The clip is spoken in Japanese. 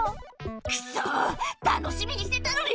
「クソ楽しみにしてたのに！